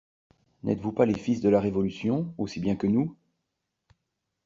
N'êtes-vous pas les fils de la Révolution, aussi bien que nous?